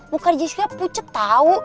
muka jess kaya pucet tau